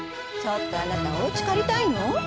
ちょっとあなたおうちかりたいの？